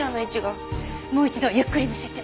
もう一度ゆっくり見せて。